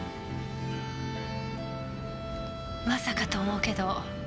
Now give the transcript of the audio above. まさかと思うけど。